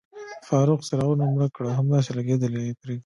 فاروق، څراغونه مړه کړه، همداسې لګېدلي یې پرېږدئ.